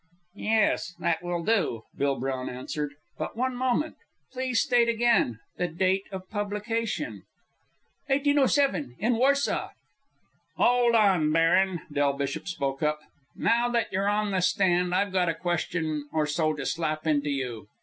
"Yes, that will do," Bill Brown answered. "But one moment. Please state again the date of publication." "1807, in Warsaw." "Hold on, baron," Del Bishop spoke up. "Now that you're on the stand, I've got a question or so to slap into you."